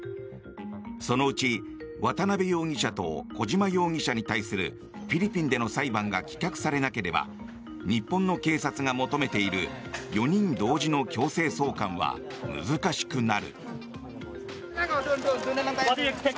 そのうち渡邉容疑者と小島容疑者に対するフィリピンでの裁判が棄却されなければ日本の警察が求めている４人同時の強制送還は難しくなる。